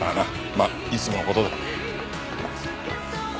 まあいつもの事だ。